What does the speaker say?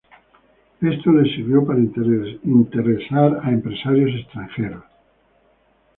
Esto les sirvió para interesar a empresarios extranjeros.